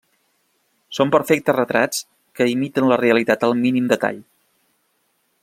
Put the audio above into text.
Són perfectes retrats que imiten la realitat al mínim detall.